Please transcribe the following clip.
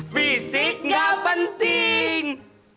fisik gak penting